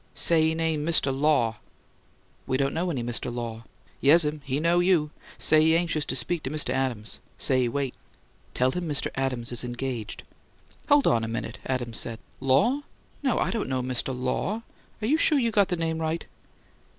"Say he name Mr. Law." "We don't know any Mr. Law." "Yes'm; he know you. Say he anxious to speak Mr. Adams. Say he wait." "Tell him Mr. Adams is engaged." "Hold on a minute," Adams intervened. "Law? No. I don't know any Mr. Law. You sure you got the name right?"